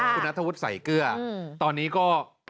คุณนัทธวุฒิใส่เกลือตอนนี้ก็